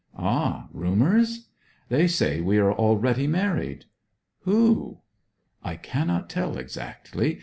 'Ah! rumours?' 'They say we are already married.' 'Who?' 'I cannot tell exactly.